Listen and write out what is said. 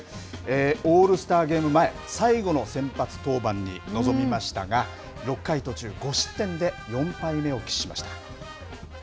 オールスターゲーム前、最後の先発登板に臨みましたが、６回途中、５失点で４敗目を喫しました。